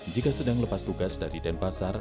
jika sedang lepas tugas dari denpasar